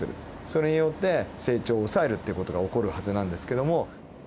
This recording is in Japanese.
それによって成長を抑えるっていう事が起こるはずなんですけども。